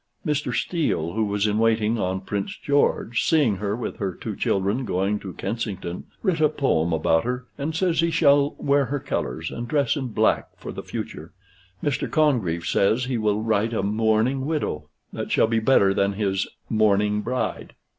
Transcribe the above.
Mr. Steele, who was in waiting on Prince George, seeing her with her two children going to Kensington, writ a poem about her, and says he shall wear her colors, and dress in black for the future. Mr. Congreve says he will write a 'Mourning Widow,' that shall be better than his 'Mourning Bride.'